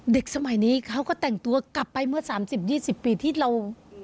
สมัยนี้เขาก็แต่งตัวกลับไปเมื่อ๓๐๒๐ปีที่เรา